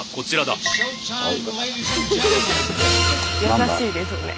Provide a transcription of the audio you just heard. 優しいですね。